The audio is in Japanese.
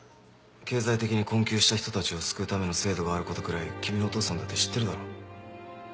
経済的に困窮した人たちを救うための制度があることくらい君のお父さんだって知ってるだろ。